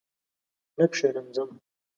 نه کښېنم ځم!